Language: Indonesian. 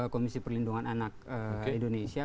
komisi perlindungan anak indonesia